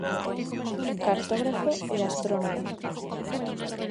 Cartógrafo e astrónomo.